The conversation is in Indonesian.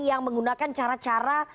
yang menggunakan cara cara